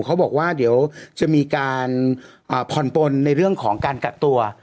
เขาบอกว่าเดี๋ยวจะมีการผ่อนปนในเรื่องของการกักตัว